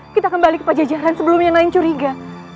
kita kembali ke pajajaran sebelumnya yang lain curiga